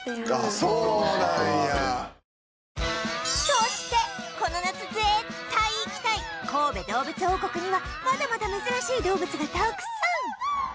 そしてこの夏絶対行きたい神戸どうぶつ王国にはまだまだ珍しい動物がたくさん！